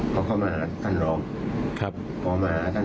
และก็ไม่ได้ยัดเยียดให้ทางครูส้มเซ็นสัญญา